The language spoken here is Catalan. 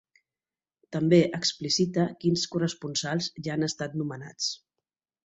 També explicita quins corresponsals ja han estat nomenats.